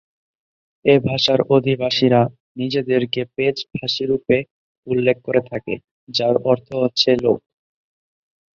এ ভাষার অধিবাসীরা নিজেদেরকে ‘পেচ’ভাষীরূপে উল্লেখ করে থাকে, যার অর্থ হচ্ছে ‘লোক’।